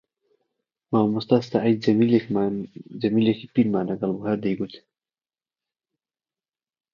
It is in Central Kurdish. مامۆستا سەعید جەمیلێکی پیرمان لەگەڵ بوو هەر دەیگوت: